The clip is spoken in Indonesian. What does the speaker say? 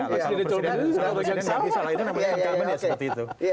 itu namanya in common ya seperti itu